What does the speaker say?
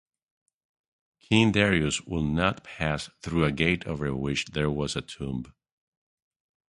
King Darius would not pass through a gate over which there was a tomb.